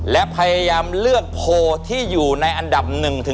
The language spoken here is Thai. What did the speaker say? และพยายามเลือกโพลที่อยู่ในอันดับ๑๒